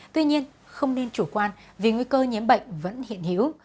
tuy nhiên không nên chủ quan vì nguy cơ nhiễm bệnh vẫn hiện hữu